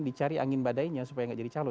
dicari angin badainya supaya nggak jadi calon